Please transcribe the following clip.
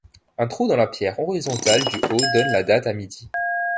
Un trou dans la pierre horizontale du haut donne la date à midi.